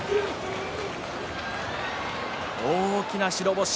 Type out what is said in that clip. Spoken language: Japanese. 大きな白星。